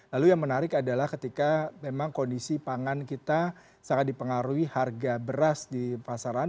lalu yang menarik adalah ketika memang kondisi pangan kita sangat dipengaruhi harga beras di pasaran